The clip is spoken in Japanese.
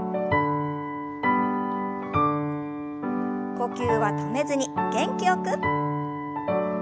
呼吸は止めずに元気よく。